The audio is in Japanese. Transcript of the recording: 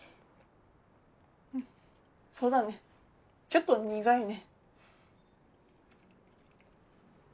うんそうだねちょっと苦いね。